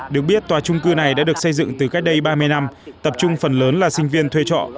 được biết tòa trung cư này đã được xây dựng từ cách đây ba mươi năm tập trung phần lớn là sinh viên thuê trọ